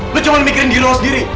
gue cuma mikirin diri lo sendiri